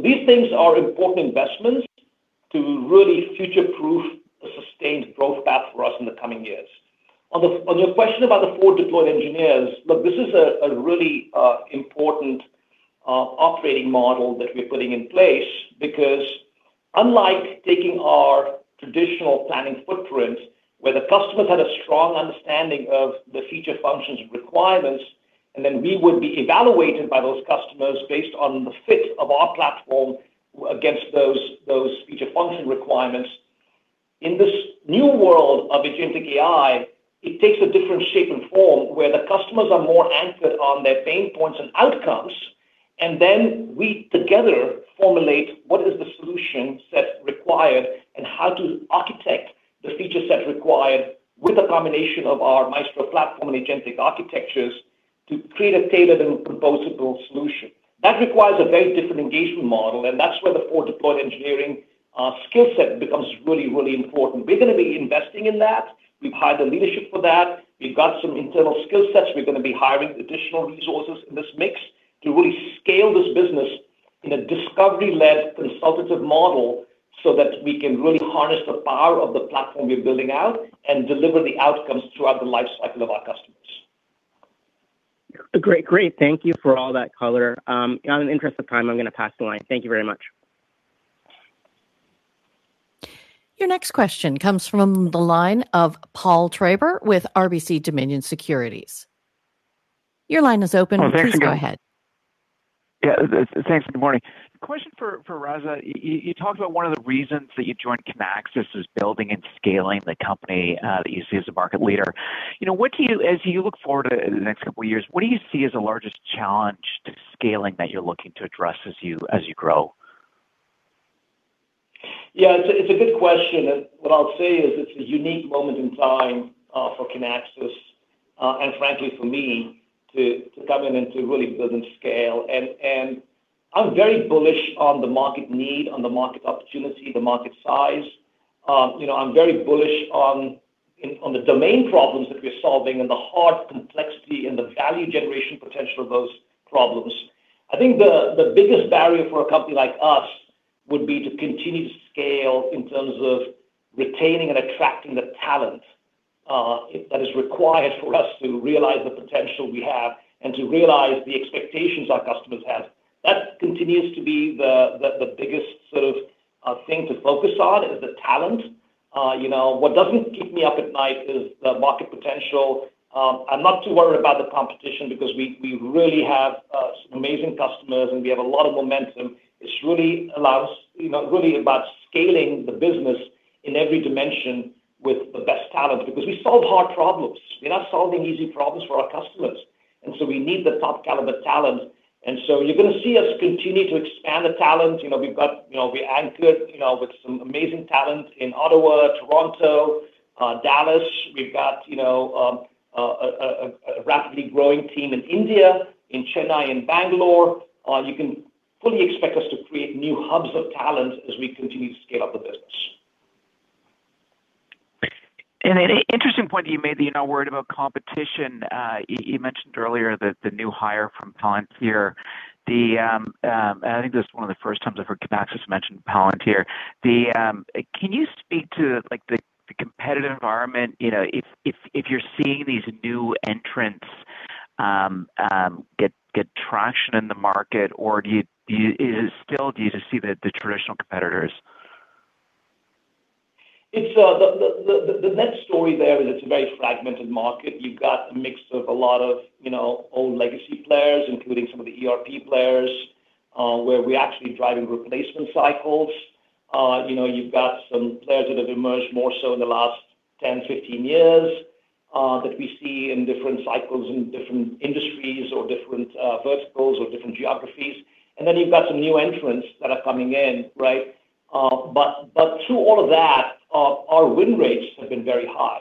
These things are important investments to really future-proof a sustained growth path for us in the coming years. On your question about the four deployed engineers, look, this is a really important operating model that we're putting in place because unlike taking our traditional planning footprint, where the customers had a strong understanding of the feature functions requirements, and then we would be evaluated by those customers based on the fit of our platform against those feature function requirements. In this new world of agentic AI, it takes a different shape and form where the customers are more anchored on their pain points and outcomes, and then we together formulate what is the solution set required and how to architect the feature set required with a combination of our Maestro platform and agentic architectures to create a tailored and composable solution. That requires a very different engagement model, and that's where the four deployed engineering skill set becomes really, really important. We're gonna be investing in that. We've hired the leadership for that. We've got some internal skill sets. We're gonna be hiring additional resources in this mix to really scale this business in a discovery-led consultative model so that we can really harness the power of the platform we're building out and deliver the outcomes throughout the life cycle of our customers. Great. Thank you for all that color. In the interest of time, I'm gonna pass the line. Thank you very much. Your next question comes from the line of Paul Treiber with RBC Dominion Securities. Your line is open. Oh, thanks. Please go ahead. Thanks. Good morning. Question for Razat. You talked about one of the reasons that you joined Kinaxis is building and scaling the company that you see as a market leader. You know, as you look forward to the next couple of years, what do you see as the largest challenge to scaling that you're looking to address as you grow? Yeah, it's a good question. What I'll say is it's a unique moment in time for Kinaxis and frankly for me to come in and to really build and scale. I'm very bullish on the market need, on the market opportunity, the market size. You know, I'm very bullish on the domain problems that we're solving and the hard complexity and the value generation potential of those problems. I think the biggest barrier for a company like us would be to continue to scale in terms of retaining and attracting the talent that is required for us to realize the potential we have and to realize the expectations our customers have. That continues to be the biggest sort of thing to focus on is the talent. You know, what doesn't keep me up at night is the market potential. I'm not too worried about the competition because we really have some amazing customers, and we have a lot of momentum, which really allows. You know, really about scaling the business in every dimension with the best talent because we solve hard problems. We're not solving easy problems for our customers. We need the top caliber talent. You're gonna see us continue to expand the talent. You know, we're anchored, you know, with some amazing talent in Ottawa, Toronto, Dallas. We've got, you know, a rapidly growing team in India, in Chennai and Bangalore. You can fully expect us to create new hubs of talent as we continue to scale up the business. An interesting point that you made that you're not worried about competition. You mentioned earlier the new hire from Palantir. I think this is one of the first times I've heard Kinaxis mention Palantir. Can you speak to, like, the competitive environment, you know, if you're seeing these new entrants get traction in the market, or do you? Is it still? Do you just see the traditional competitors? It's The net story there is it's a very fragmented market. You've got a mix of a lot of, you know, old legacy players, including some of the ERP players, where we're actually driving replacement cycles. You know, you've got some players that have emerged more so in the last 10, 15 years, that we see in different cycles in different industries or different verticals or different geographies. Then you've got some new entrants that are coming in, right? Through all of that, our win rates have been very high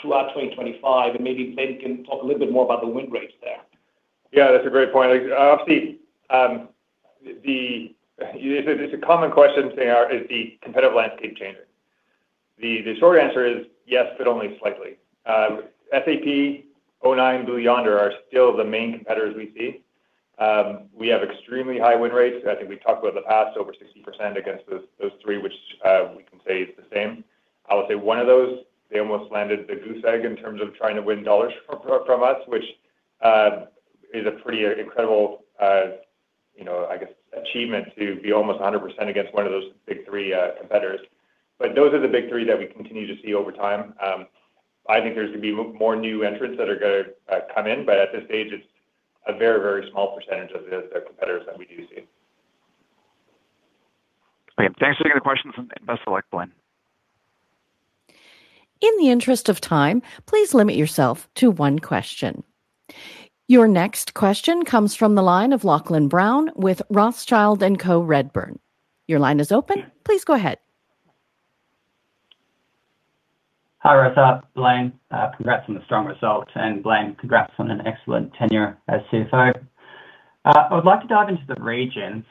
throughout 2025, and maybe Ben can talk a little bit more about the win rates there. That's a great point. Obviously, It's a common question, Sayar, is the competitive landscape changing? The short answer is yes, but only slightly. SAP, o9, Blue Yonder are still the main competitors we see. We have extremely high win rates. I think we talked about the past, over 60% against those three, which we can say is the same. I would say one of those, they almost landed the goose egg in terms of trying to win dollars from us, which is a pretty incredible, you know, I guess achievement to be almost 100% against one of those big three competitors. Those are the big three that we continue to see over time. I think there's gonna be more new entrants that are gonna come in, but at this stage, it's a very small percentage of the competitors that we do see. Okay. Thanks for taking the questions, and best of luck, Blaine. In the interest of time, please limit yourself to one question. Your next question comes from the line of Lachlan Brown with Rothschild & Co Redburn. Your line is open. Please go ahead. Hi, Razat, Blaine. Congrats on the strong results. Blaine, congrats on an excellent tenure as CFO. I would like to dive into the regions.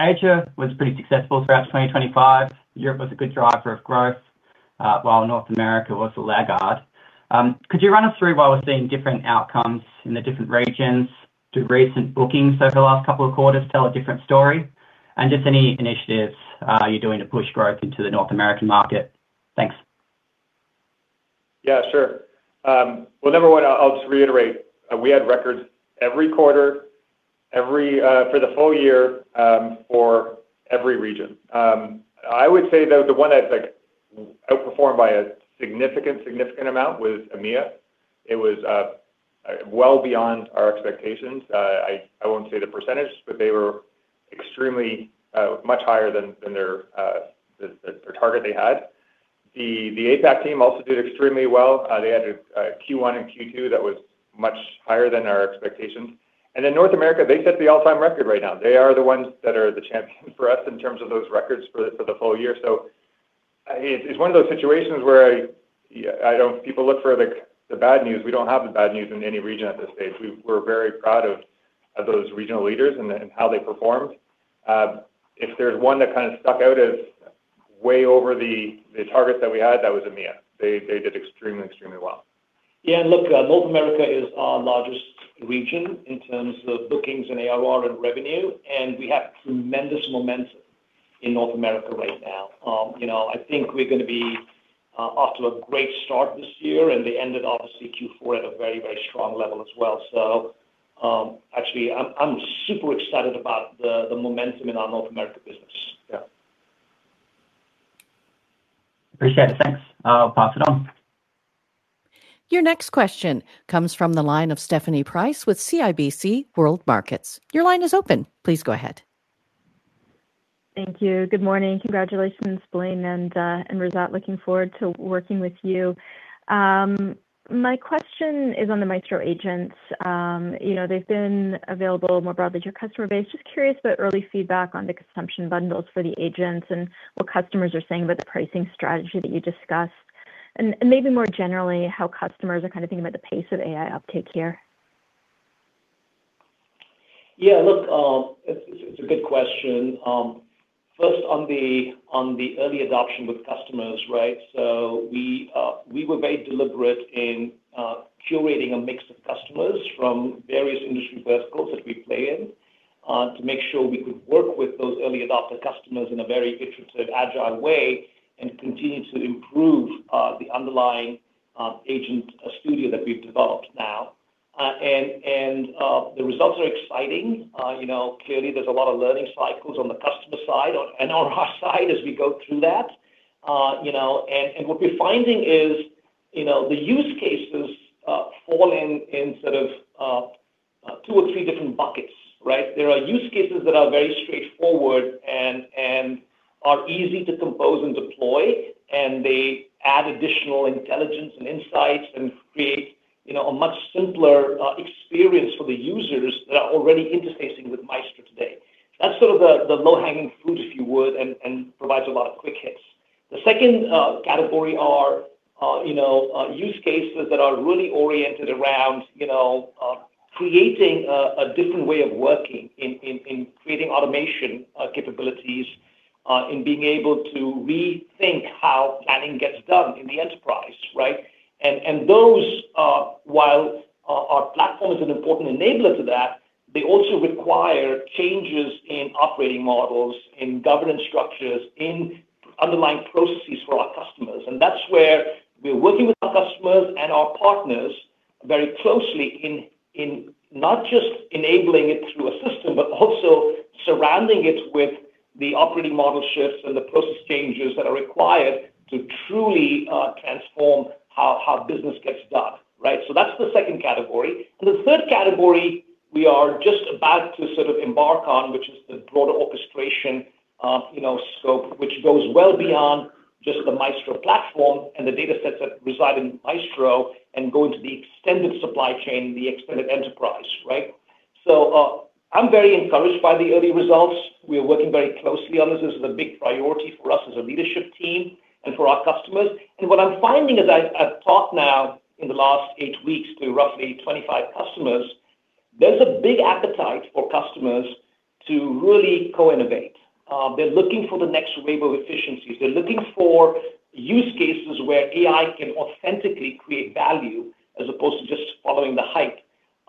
Asia was pretty successful throughout 2025. Europe was a good driver of growth, while North America was a laggard. Could you run us through why we're seeing different outcomes in the different regions? Do recent bookings over the last couple of quarters tell a different story? Just any initiatives you're doing to push growth into the North American market? Thanks. Yeah, sure. Well, number one, I'll just reiterate, we had records every quarter, for the full year, for every region. I would say, though, the one that like outperformed by a significant amount was EMEA. It was well beyond our expectations. I won't say the percentage, but they were extremely much higher than their target they had. The APAC team also did extremely well. They had a Q1 and Q2 that was much higher than our expectations. North America, they set the all-time record right now. They are the ones that are the champions for us in terms of those records for the full year. It's one of those situations where People look for the bad news. We don't have the bad news in any region at this stage. We're very proud of those regional leaders and how they performed. If there's one that kinda stuck out as way over the targets that we had, that was EMEA. They did extremely well. Yeah. Look, North America is our largest region in terms of bookings and ARR and revenue. We have tremendous momentum in North America right now. You know, I think we're gonna be off to a great start this year. They ended obviously Q4 at a very, very strong level as well. Actually, I'm super excited about the momentum in our North America business. Yeah. Appreciate it. Thanks. I'll pass it on. Your next question comes from the line of Stephanie Price with CIBC World Markets. Your line is open. Please go ahead. Thank you. Good morning. Congratulations, Blaine, and Razat, looking forward to working with you. My question is on the Maestro agents. You know, they've been available more broadly to your customer base. Just curious about early feedback on the consumption bundles for the agents and what customers are saying about the pricing strategy that you discussed, and maybe more generally, how customers are kinda thinking about the pace of AI uptake here. Yeah. Look, it's a good question. First, on the early adoption with customers, right? We were very deliberate in curating a mix of customers from various industry verticals that we play in, to make sure we could work with those early adopter customers in a very iterative, agile way and continue to improve the underlying Agent Studio that we've developed now. The results are exciting. You know, clearly there's a lot of learning cycles on the customer side and on our side as we go through that. You know, and what we're finding is, you know, the use cases fall in sort of, two or three different buckets, right? There are use cases that are very straightforward and are easy to compose and deploy, and they add additional intelligence and insights and create, you know, a much simpler experience for the users that are already interfacing with Maestro today. That's sort of the low-hanging fruit, if you would, and provides a lot of quick hits. The second category are, you know, use cases that are really oriented around, you know, creating a different way of working in creating automation capabilities in being able to rethink how planning gets done in the enterprise, right? Those, while our platform is an important enabler to that, they also require changes in operating models, in governance structures, in underlying processes for our customers. That's where we're working with our customers and our partners very closely in not just enabling it through a system, but also surrounding it with the operating model shifts and the process changes that are required to truly transform how business gets done, right. That's the second category. The third category we are just about to sort of embark on, which is the broader orchestration, you know, scope, which goes well beyond just the Maestro platform and the datasets that reside in Maestro and go into the extended supply chain, the extended enterprise, right. I'm very encouraged by the early results. We're working very closely on this. This is a big priority for us as a leadership team and for our customers. What I'm finding as I've talked now in the last eight weeks to roughly 25 customers, there's a big appetite for customers to really co-innovate. They're looking for the next wave of efficiencies. They're looking for use cases where AI can authentically create value as opposed to just following the hype.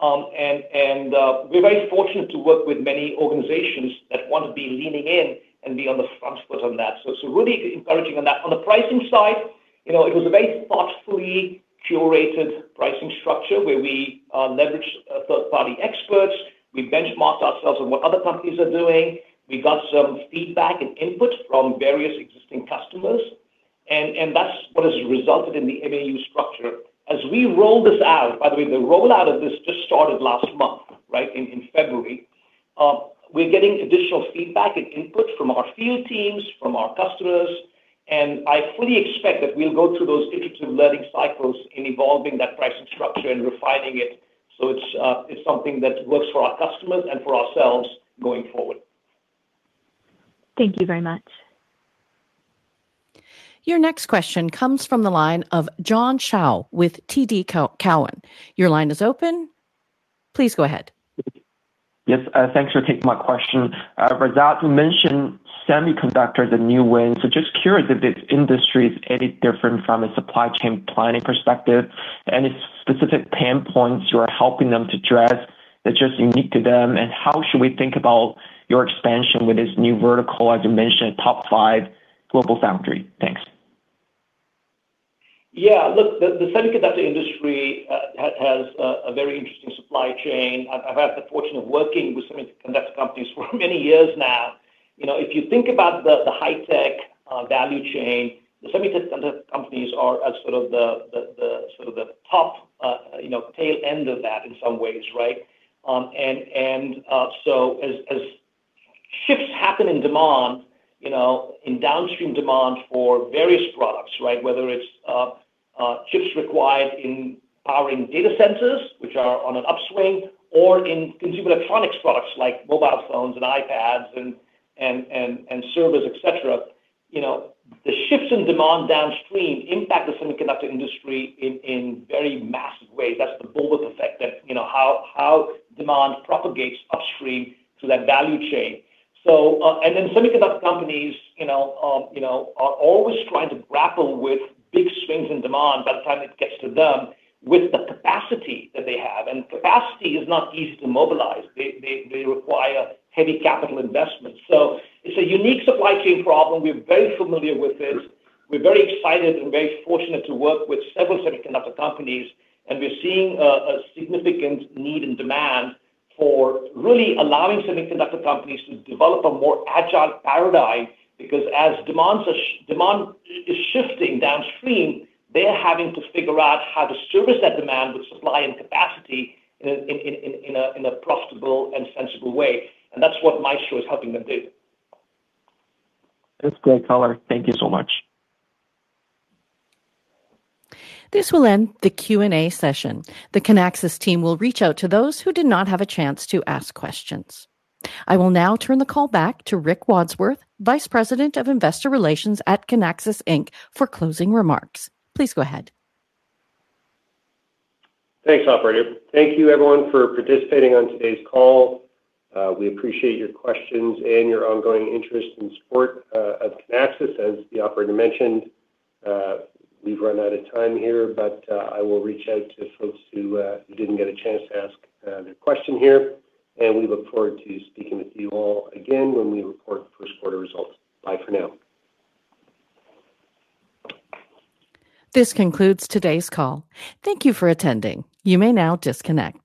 We're very fortunate to work with many organizations that wanna be leaning in and be on the front foot on that. It's really encouraging on that. On the pricing side. You know, it was a very thoughtfully curated pricing structure where we leveraged third-party experts. We benchmarked ourselves on what other companies are doing. We got some feedback and input from various existing customers and that's what has resulted in the MAU structure. As we roll this out... By the way, the rollout of this just started last month, right? In February. We're getting additional feedback and input from our field teams, from our customers, and I fully expect that we'll go through those iterative learning cycles in evolving that pricing structure and refining it so it's something that works for our customers and for ourselves going forward. Thank you very much. Your next question comes from the line of John Shao with TD Cowen. Your line is open. Please go ahead. Yes, thanks for taking my question. Razat, you mentioned semiconductors and new wins. Just curious if this industry is any different from a supply chain planning perspective, any specific pain points you are helping them to address that's just unique to them, and how should we think about your expansion with this new vertical, as you mentioned, top five global foundry? Thanks. Yeah. Look, the semiconductor industry has a very interesting supply chain. I've had the fortune of working with semiconductor companies for many years now. You know, if you think about the high tech value chain, the semiconductor companies are sort of the sort of the top, you know, tail end of that in some ways, right? As shifts happen in demand, you know, in downstream demand for various products, right? Whether it's shifts required in powering data centers, which are on an upswing, or in consumer electronics products like mobile phones and iPads and servers, et cetera, you know, the shifts in demand downstream impact the semiconductor industry in very massive ways. That's the bullwhip effect that, you know, how demand propagates upstream through that value chain. semiconductor companies, you know, you know, are always trying to grapple with big swings in demand by the time it gets to them with the capacity that they have. Capacity is not easy to mobilize. They require heavy capital investments. It's a unique supply chain problem. We're very familiar with it. We're very excited and very fortunate to work with several semiconductor companies, and we're seeing a significant need and demand for really allowing semiconductor companies to develop a more agile paradigm. As demand is shifting downstream, they're having to figure out how to service that demand with supply and capacity in a profitable and sensible way, and that's what Maestro is helping them do. That's great color. Thank you so much. This will end the Q&A session. The Kinaxis team will reach out to those who did not have a chance to ask questions. I will now turn the call back to Rick Wadsworth, Vice President of Investor Relations at Kinaxis Inc., for closing remarks. Please go ahead. Thanks, operator. Thank you everyone for participating on today's call. We appreciate your questions and your ongoing interest and support of Kinaxis. As the operator mentioned, we've run out of time here, but I will reach out to folks who didn't get a chance to ask their question here, and we look forward to speaking with you all again when we report first quarter results. Bye for now. This concludes today's call. Thank you for attending. You may now disconnect.